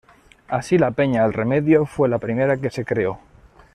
Así la Peña El Remedio fue la primera que se creó.